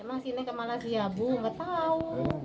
emang sini kemalasiabu gak tau